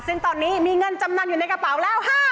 ซึ่งตอนนี้มีเงินจำนำอยู่ในกระเป๋าแล้ว